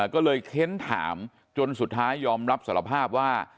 ก็เลยเค้นถามจนสุดท้ายยอมรับสารภาพว่า